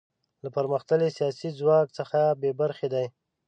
له پرمختللي سیاسي ځواک څخه بې برخې دي.